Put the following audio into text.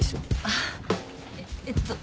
あっえっと。